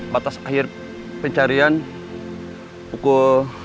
batas akhir pencarian pukul